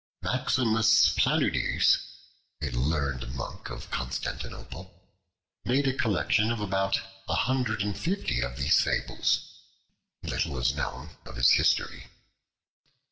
Maximus Planudes, a learned monk of Constantinople, made a collection of about a hundred and fifty of these fables. Little is known of his history.